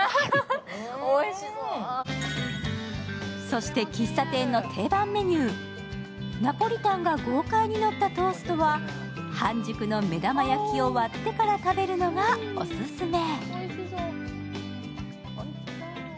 そして喫茶店の定番メニュー、ナポリタンが豪快にのったトーストは半熟の目玉焼きを割ってから食べるのがオススメ。